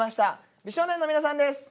美少年の皆さんです！